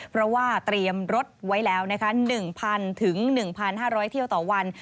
เพราะว่าเตรียมรถไว้แล้วนะคะ๑๐๐๑๕๐๐เที่ยวต่อวัน